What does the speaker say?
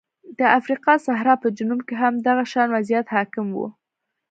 د افریقا صحرا په جنوب کې هم دغه شان وضعیت حاکم و.